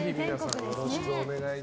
よろしくお願いします。